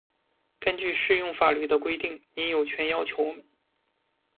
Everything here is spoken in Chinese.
根据适用法律的规定，您有权要求我们：